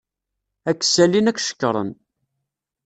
Ad k-sallin ad k-cekṛen.